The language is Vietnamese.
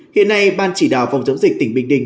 hiện nay ban chỉ đạo phòng chống dịch tỉnh bình định